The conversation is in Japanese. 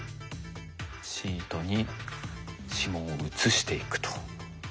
シートに指紋を移していくと。